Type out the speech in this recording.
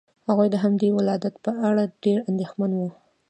هغوی د همدې ولادت په اړه ډېر اندېښمن وو.